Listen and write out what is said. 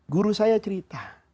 guru saya cerita